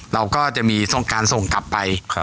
เราก็จะมีการส่งกลับไป